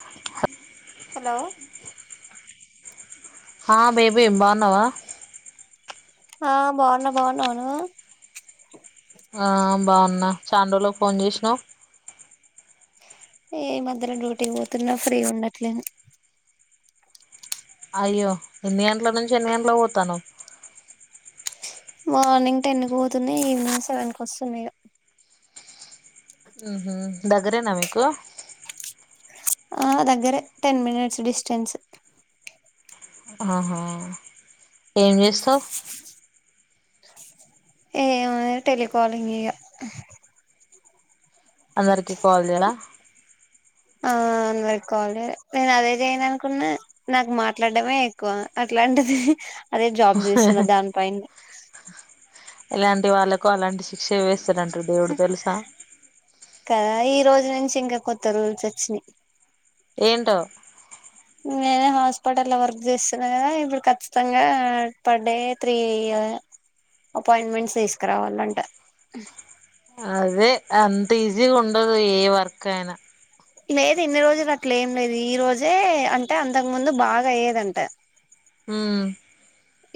హ హలో హా బేబీ బాగున్నావా ఆ బాగున్నా బాగున్నావ నువ్వు ఆ బాగున్నా చానా రోజులకి ఫోన్ చేసినావు ఏ ఈ మధ్యలో డ్యూటీకి పోతున్నా ఫ్రీ ఉండట్లేను అయ్యో ఎన్ని గంటల నుంచి ఎన్ని గంటలో పోతానవు మార్నింగ్ టెన్ కు పోతున్నా ఈవినింగ్ సెవెన్కి వస్తున్నా ఇగ ఉహు దగ్గరేనా మీకు ఆ దగ్గరే టెన్ మినిట్స్ డిస్టెన్స్ ఆహా ఏం చేస్తావ్ ఏం టెలికాలింగ్ ఇగ అందరికి కాల్ చేయడ ఆ అందరికి కాల్ చేయాలి నేను అదే చెయను అనుకున్నా నాకు మాట్లాడడమే ఎక్కువ అట్లాంటిది అదే జాబ్ చేస్తున్న దాని పైన ఇలాంటి వాళ్ళకు అలాంటి శిక్ష వేస కద ఈ రోజు నుంచి ఇంకా కొత్త రూల్స్ వచ్చినాయి ఏంటో నేనే హాస్పిటల్ వర్క్ చేస్తున్నా కదా ఇప్పుడు కచ్చితంగా per day three year appointments తీసుకురావాలంట అదే అంత ఈజీగా ఉండదు ఏ వర్క్ అయినా లేదు ఇన్ని రోజులు అట్ల ఏం లేదు ఈ రోజే అంటే అంతకు ముందు బాగా అయ్యేదంట హామ్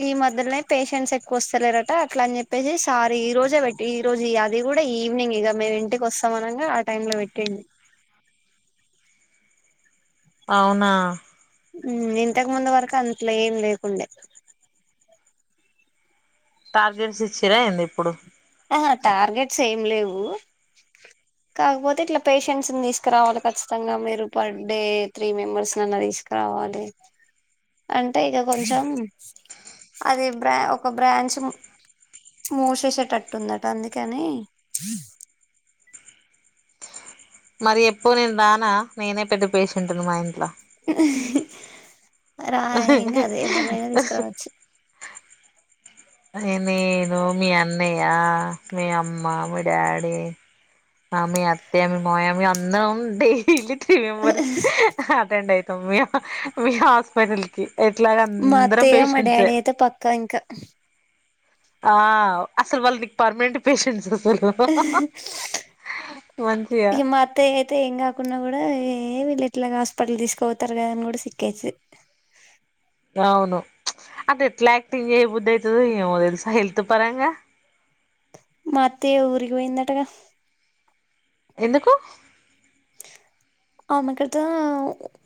ఈ మధ్యలోనే పేషెన్స్ ఎక్కువ వస్తలేరట అట్లా అని చెప్పేసి సార్ ఈ రోజే పెట్టి ఈ రోజు అది కూడా ఈవినింగ్ ఇక మేము ఇంటికి వస్తాం అనంగా ఆ టైం లో పెట్టండు అవునా ఉమ్ ఇంతకు ముందు వరకు అంతేం లేకుండే టార్గెట్స్ ఇచ్చిరా ఏంది ఇప్పుడు ఆహా టార్గెట్స్ ఏం లేవు కాకపోతే ఇట్లా పేషెంట్స్ ని తీసుకురావాలి ఖచ్చితంగా మీరు పర్ డే త్రీ మెంబర్స్నీ అన్న తీసుకురావాలి అంటే ఇక కొంచెం అదే బ్రా ఒక బ్రాంచ్ మూసిసేటట్టు అందుకని మరి ఎప్పుడూ నేను రానా నేనే పెద్ద పేషెంట్ని మా ఇంట్లో రా ఏం కాదు ఎవరినియైన తీసుకురావచ్చు నేను మీ అన్నయ్య మీ అమ్మ మీ డాడీ మీ అత్తయ్య మీ మామయ్య మేము అందరం డైలీ త్రీ మెంబెర్స్ అటెండ్ అయితాం మీ మీ హాస్పిటల్ కి ఎట్లాగ మా అందరం అత్తయ్య మా పేషెంట్సే డాడీ అయితే పక్కా ఇంకా ఆ అసలు వాళ్ళ నీకు పర్మనెంట్ పేషెట్స్ అసలు మంచిగ అతే అయితే ఏం కాకుండా కూడా ఏ విళ్ళు ఎట్లాగా హాస్పిటల్ తీసుకవుతారు కదా అని కూడా సిక్కేది అవును అది ఎట్ల యాక్టింగ్ చేయ్య బుద్ధి అవుతుంది ఏమో తెలుసా హెల్త్ పరంగా మా అత్తయా ఊరికిపోయిందటగా ఎందుకు [unintelligible]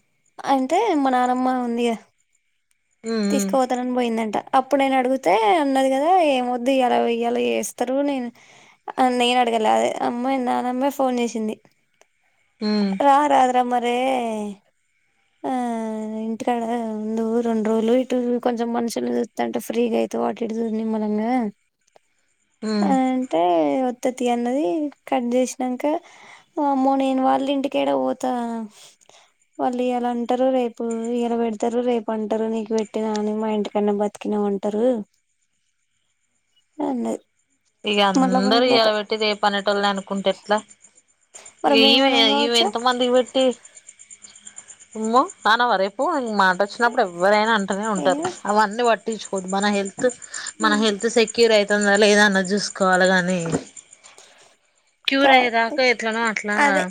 అంటే మా నానమ్మ ఉంది ఉ తీసుకుపోతానని పోయిందంట అప్పుడు నేను అడిగితే అన్నది కద ఏమ వద్దు ఇలా ఇలా చేస్తారు నేను [unintelligible] ఏం అడగలే అదే అమ్మ నాన్నమ్మ ఫోన్ చేసింది ఉ రా రాదుర మరి ఇంటికాడ ముందు రెండు రోజులు ఇటు కొంచెం మనుషులు చూస్తంటే ఫ్రీగా అయితే అటు ఇటు చూడు నిమ్మలంగా అ ఉమ్ అంటే వత్త తి అన్నది కట్ చేసినంక వామ్మో నేను వాళ్ళ ఇంటికెడ పోత [unintelligible] అంటారు రేపు ఇయల పెడతారు రేపు [unintelligible] నీకు పెట్టినా అని మా ఇంటికన్నా బతికినవ్ అంటారు [unintelligible] ఇగ మళ్ళా అందరు పోయిందట ఇయల పెట్టి రేపు అనేటోళ్ళని అనుకుంటే ఎట్లా మరి ఇగ మేమనం ఇమే కావచ్చా ఎంత మందికి పెట్టి ఉమ్మె అనావ రేపు మ మాట వచ్చినప్పుడు ఎవరైనా అంటనే ఉంటారు ఏమో అవన్నీ పట్టించుకోద్దు మన హెల్ మన హెల్త్ సెక్యూర్ అయితందద లేదన్న చూసుకోవాలి కానీ క్యూర్ కా అయ్యేదాక ఎట్లనో అట్లా అదే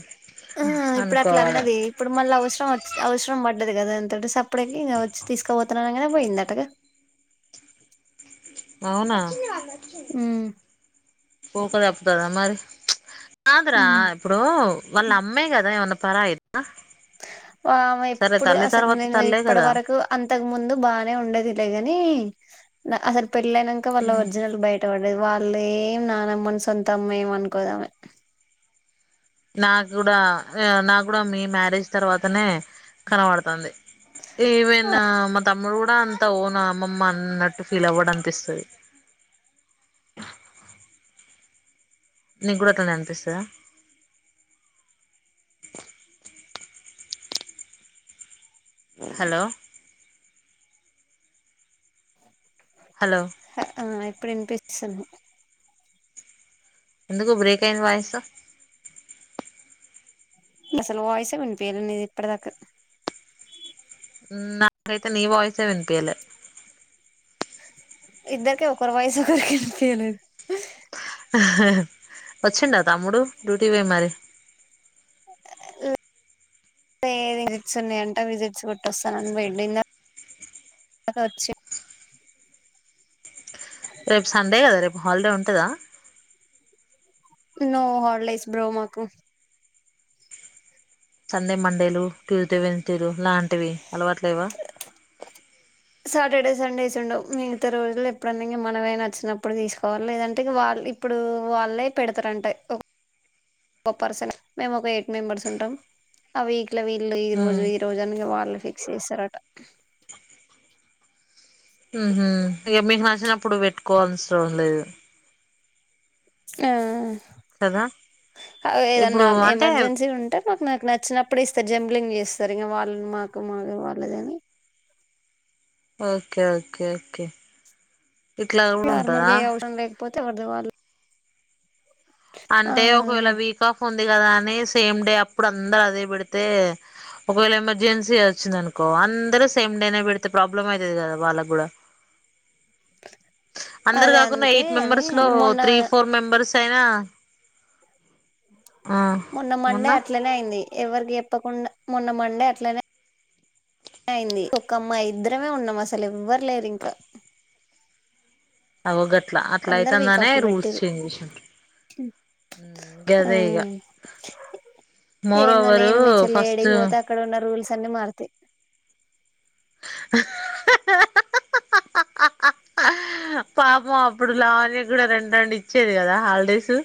ఆ ఇప్పుడు అట్లా అనుకోవాలి అన్నది ఇప్పుడు మళ్ళీ అవసరం అవసరం పడింది కదా అయనతోటి సప్పుడేకా ఇగ తీసుకోపోతున్నానగానే పోయింది అటగ అవునా ఉమ్ పోక తప్పుతాద మరి కాదురా ఉమ్ ఇప్పుడు వాళ్ళ అమ్మే కదా ఏమన్నా పరాయిద ఆమె ఎప్పుడు అసలు నేను ఇప్పటి కదా వరకు అంతకు ముందు బాగానే ఉండేది లేగాని అసలు పెళ్ళయినాక వాళ్ళ ఒరిజినల్ బై బయట్టపడది వాళ్ళు ఏం నానమ్మని సొంత అమ్మ ఏమ అనుకోదాం ఆమె నాకు కూడా నా కూడ మీ మ్యారేజ్ తర్వాతనే కనబడతంది ఈవెన్ మా తమ్ముడు కూడా అంత ఓనా అమ్మమ్మ అన్నట్టు ఫీల్ అవ్వడం అనిపిస్తుంది నీకు కూడ అట్లానే అనిపిస్తంద హలో హలో ఆ ఇప్పుడు ఇనిపిస్తుంది ఎందుకు బ్రేక్ అయింది వాయిస్ అసలు వాయిసే వినీపిలే ఇప్పటిదాక నాకైతే నీ వాయిసే వినిపియ్యలే ఇద్దరికి ఒకరి వాయిస్ ఒకరికి విపియలేదు వచ్చిండ తమ్ముడు డ్యూటీకి పోయి మరి ఏ విజిట్స్ ఉన్నాయంట విజిట్స్ కొట్టొస్తానని పోయిండు [unintelligible] రేపు సండే కదా రేపు హాలిడే ఉంటద నో హాలిడేస్ బ్రో మాకు సండే మండేలు ట్యూస్డే [unintelligible] ఆలాంటివి అలవాట్లేవా సాటర్డే సండేస్ ఉండవు మిగతా రోజులు ఎప్పుడన్న ఇంగ మనమే నచ్చినప్పుడు తీసుకోవాలి లేదంటే ఇగ వాళ్ళు ఇప్పుడు వాళ్ళే పెడతారుంటా ఒక పర్సన్ మేము ఒక ఎయిట్ మెంబర్స్ ఉంటాం ఆ వీక్ ఇట్లా వీళ్ళు ఈ ఉమ్, రోజు ఈ రోజు అని వాళ్ళు ఫిక్స్ చేస్తారట హు హమ్ ఇక మీకు నచ్చినప్పుడు పెట్టుకోను అవసరం లేదు ఆ కదా కాదు ఏదన్నా ఇప్పుడు అంటే ఎమర్జెన్సీ ఉంటే నాకు నాకు నచ్చినప్పుడు ఇస్తారు జంబలింగ్ చేస్తారు ఇంక వాళ్ళని మాకు మాకు వాళ్ళధ్ని ఓకే ఓకే ఓకే ఇట్లా కూడా ఉంటదా పోతే కద [unintelligible] వాళ్ళు ఆ అంటే ఒకవేళ వీక్ ఆఫ్ ఉంది కదా అని సేమ్ డే అప్పుడు అందరు అదే పెడితే ఒకవేళ ఎమర్జెన్సీ వచ్చింది అనుకో అందరు సేమ్ డేనే పెడితే ప్రాబ్లం అయితుది కదా వాళ్ళకి కూడా ఉం అందరు కాకునా ఎయిట్ అని మెంబర్స్ లో మొన్న త్రీ ఫోర్ మెంబెర్స్ అయినా ఆ మొన్న మండే అట్లనే అయింది ఎవరికి చెప్పకుండా మొన్న మండే అట్లనే అయింది ఒక అమ్మాయి ఇద్దరమే ఉన్నాం అసలు ఎవ్వరు లేరు ఇంకా అవు గట్లా అట్ల అందరు వీక్ అయితందానే ఆఫ్ లు రూల్స్ పెట్టిరు చేంజ్ చేసిరు ఉం ఆ గదే ఇగ మోర్ ఓవర్ ఫస్ట్ ఇక్కడ ఉన్న రూల్స్ అన్ని మారుతయి హహహ పాపం అప్పుడు లావాణ్య కి కూడా రెండు రెండు ఇచ్చేది కదా హాలిడేస్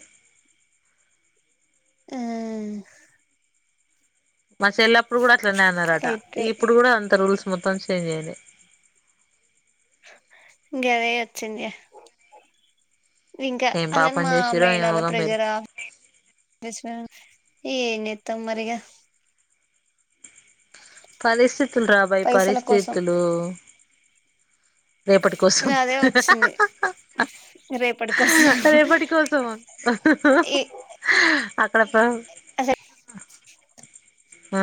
ఆ మా చెల్లప్పుడు కూడా అట్లానే అన్నారట అయితే ఇప్పుడు కూడా అంత రూల్స్ మొత్తం చేంజ్ అయినయి గదే వచ్చింది ఇంకా ఏం అసలు పాపం మా చేసిరో మేడాల ఏమోగా మీరు ప్రేజర ఏం చేస్తాం మరి ఇగ పరిస్థితులు రా బయి పైసల కోసం పరిస్థితులు రేపటి కోసం అదే వచ్చింది రేపటి కోసం రేపటి కోసం ఈ అక్కడ అక్కడ అసలు ఆ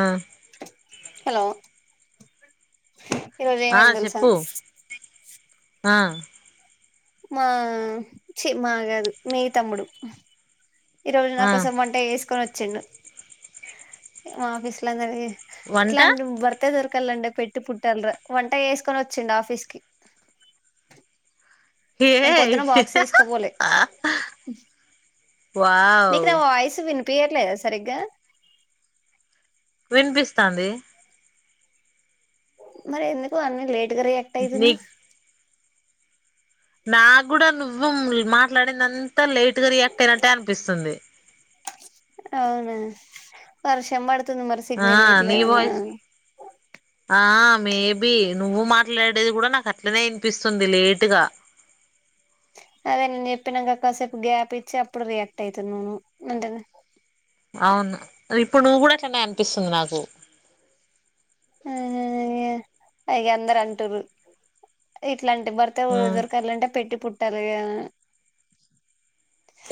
హలో ఈరోజు ఆ ఏమైంది తెలుసా చెప్పు ఆ మా చీ మా కాదు మీ తమ్ముడు ఈ రోజు ఆ నాకోసం వంట చేసుకొని వచ్చిండు మా ఆఫీస్ లో అందరికీ వంట ఇట్లాంటి భర్త దొరకాలంటే పెట్టి పుట్టాలే రా వంట చేసుకొని వచ్చిండు ఆఫీస్ కి నేను పొద్దున బాక్స్ తీసుకపోలే వావు చేయట్లేదా సరిగ్గా వినిపిస్తాంది మరి ఎందుకు అన్నీ లేట్గా రియాక్ట్ నీకు అయితున్నావ్ నాకు కూడా నువ్వు మాట్లాడిందంతా లేట్ గా రియాక్ట్ అయినట్టే అనిపిస్తుంది అవునా వర్షం పడుతుంది మరి ఆ సిగ్నల్ గిట్ల నీ ఏమన్నా వాయిస్ ఉం ఆ మేబి నువ్వు మాట్లాడేది కూడా నాకు అట్లనే వినిపిస్తుంది లేటుగా అదే నేను చెప్పినంక కాసేపు గ్యాప్ ఇచ్చి అప్పుడు రియాక్ట్ అవుతున్నావ్ నువ్వు అవును ఇప్పుడు నువ్వు కూడా అట్లనే అనిపిస్తుంది నాకు ఆ అయ్య ఇగ అందరు అంటుర్రు ఇట్లాంటి భర్త దొరకాలంటే పెట్టి పుట్టాలిగా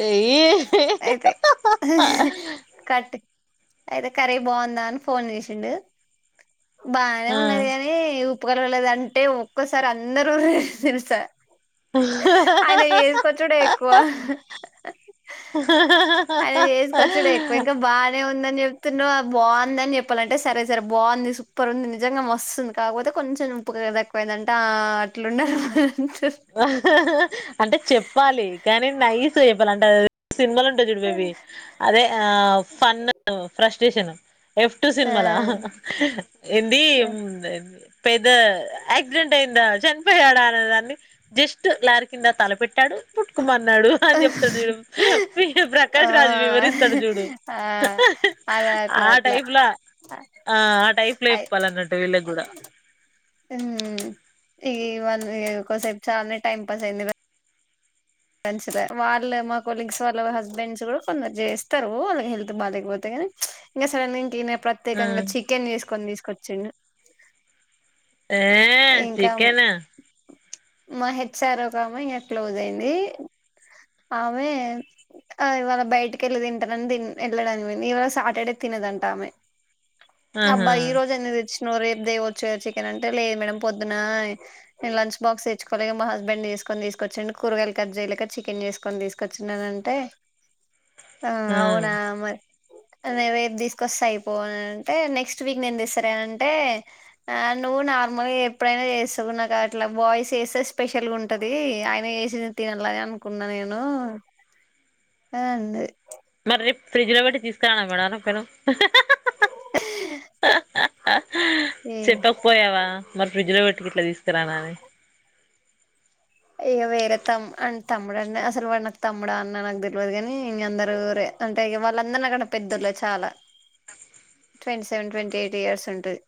ఏయ్యి కట్ అయితే కర్రీ బాగుందా అని ఫోన్ చేసిండు బానే ఆ ఉన్నది కాని ఉప్పు కలవలేదు అంటే ఒక్కోసారి అందరు ఓర్రిరూ తెలుసా ఆయన చేసుకొచ్చుడే ఎక్కువ హహహ ఆయన చేసుకొచ్చుడే ఎక్కువ ఇంక బానే ఉందని చెప్తున్నవ్ బాగుందనీ చెప్పాలంటే సరే సరే బాగుంది సూపర్ ఉంది నిజంగా మస్తుంది కాకపోతే కొంచెం ఉప్పు కొంచెం తక్కువైందంటే ఆ ఆ అట్లుండదు హా హా అంటే చెప్పాలి కానీ నైస్గా చెప్పాలి అంటే ఆదేద సినిమాల చూడు బేబీ అదే ఆ ఫన్న అండ్ ఫ్రస్ట్రేషన్ ఎఫ్ టు ఆ సినిమాలా ఏంది ఆ మ్ పెద్ద యాక్సిడెంట్ అయిందా చనిపోయాడా అనే దాన్ని జస్ట్ లారి కింద తలపెట్టాడు పుట్టుకుమన్నాడు ఆ అని చెప్తాడు చూడు ప్రకాష్ రాజు వివరిస్తాడు చూడు ఆ అలా అట్లా ఆ అట్లా టైప్ లా ఆ ఆటైప్ల అయి చెప్పాలి అన్నట్టు వీళ్ళకి కూడా హమ్ ఇగే వన్ కోసేప్ చాన్నే టైమ్ పాస్ అయింది మంచిదే వాళ్ళే మా కొలీగ్స్ వాళ్ళ హస్బెండ్స్ కూడా కొందరు చేస్తారు వాళ్ళకి హెల్త్ బాగాలేకపోతే గని ఇంగ సడన్ గీనే ఆ ప్రత్యేకంగా చికెన్ చేసుకొని తీసుకొచ్చిండు ఏ ఇంకా చికెన్ మా హెచ్ఆర్ ఒక ఆమె ఇగ క్లోజ్ అయింది ఆమె ఆ ఇవాళ బయటకెళ్ళి తింటానని తిన్ వెళ్ళడానికి పోయింది ఇవాళ సాటర్డే తినదంటా ఆమె ఆహా అబ్బా ఈ రోజు ఎందుకు తెచ్చినవు రేపు దేవచ్చు కద చికెన్ అంటే లేదు మేడం పొద్దున నేను లంచ్ బాక్స్ తెచ్చుకోలే మా హస్బండ్ చేసుకొని తీసుకోచ్చిండు కూరగాయలు కట్ చేయలేక చికెన్ చేసుకొని తీస్ కొచ్చిండు అని అంటే ఆ అవునా మర్ నేను రేపు తీసుకోస్తే అయిపో అని అంటే నెక్స్ట్ వీక్ నేను తేస్తలే అంటే ఆ నువ్వు నార్మల్గ ఎప్ ప్పుడైనా చేస్తవు నాకట్లా బాయ్స్ చేస్తే స్పెషల్గా ఉంటది ఆయన చేసింది తినాలగా కున్నా నేను అని అన్నది మరి రేపు ఫ్రిడ్జ్లో పెట్టి తీసుకురానా మేడం అనకపోయినవ్ ఏ చెప్పకపోయావా మరి ఫ్రిడ్జ్లో పెట్టు గిట్ల తీసుకురానా అని ఇగ వేరే తం అం తముడన్న అసలు వాడు నాక్ తమ్ముడా అన్న నాకు తెల్వదు కాని ఇంగ అందరూ రే అంటే వాళ్ళందరూ నాకన్నా పెద్దొల్లే చాలా twenty seven twenty eight years ఉంటది